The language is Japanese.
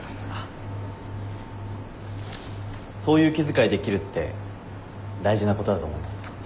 そういう気遣いできるって大事なことだと思います。